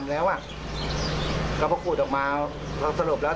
แล้วก็พอขุดออกมาเราสรุปแล้ว